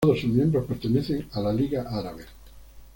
Todos sus miembros pertenecen a la Liga Árabe.